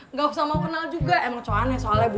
nggak usah mau kenal juga emang cowokannya soalnya bu